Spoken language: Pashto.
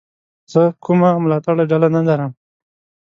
زه کومه ملاتړلې ډله نه لرم.